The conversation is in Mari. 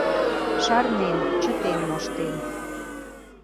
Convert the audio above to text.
Шарнен, чытен моштен.